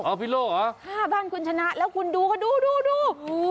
ห้าบ้านคุณชนะแล้วก็ดูแหละดู